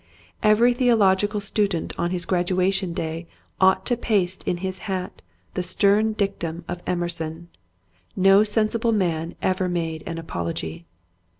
Every theological student on his graduation day ought to paste in his hat the stern dictum of Emerson, " No sensible man ever made an apology."